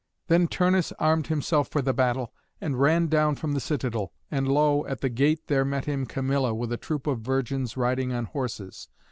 Then Turnus armed himself for the battle, and ran down from the citadel, and lo! at the gate there met him Camilla, with a troop of virgins riding on horses.